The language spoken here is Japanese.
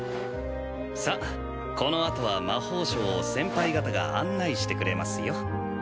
さっこのあとは魔法省を先輩方が案内してくれますよ。